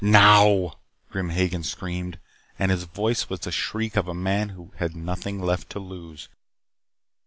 "Now," Grim Hagen screamed, and his voice was the shriek of a man who has nothing left to lose.